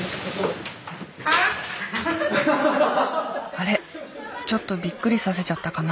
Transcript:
あれちょっとビックリさせちゃったかな？